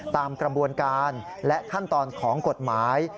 ตามกระบวนการและขั้นตอนของกฎหมาย